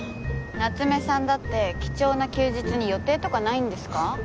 夏目さんだって貴重な休日に予定とかないんですか？